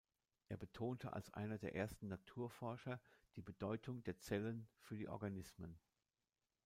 Er betonte als einer der ersten Naturforscher die Bedeutung der Zellen für die Organismen.